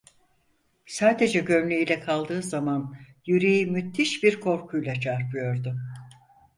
Sadece gömleğiyle kaldığı zaman yüreği müthiş bir korkuyla çarpıyordu.